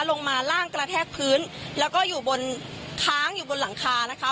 ลงมาร่างกระแทกพื้นแล้วก็อยู่บนค้างอยู่บนหลังคานะคะ